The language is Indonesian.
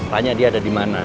tanya dia ada dimana